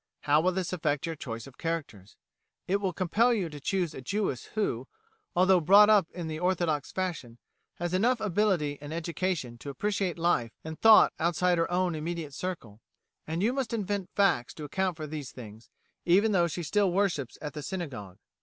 How will this affect your choice of characters? It will compel you to choose a Jewess who, although brought up in the orthodox fashion, has enough ability and education to appreciate life and thought outside her own immediate circle, and you must invent facts to account for these things, even though she still worships at the synagogue.